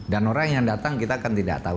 dan orang yang datang kita kan tidak tahu